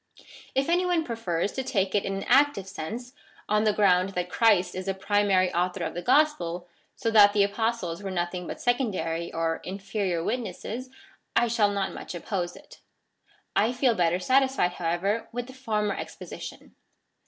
If any one prefers to take it in an active sense, on the ground that Christ is the primary author of the gospel, so that the Apostles were nothing but secondary or inferior witnesses, I shall not much oppose it. I feel better satisfied, however, with the former exposition.